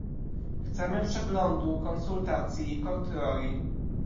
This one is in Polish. Chcemy przeglądu, konsultacji i kontroli